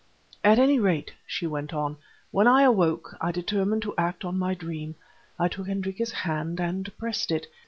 "At any rate," she went on, "when I awoke I determined to act on my dream. I took Hendrika's hand, and pressed it.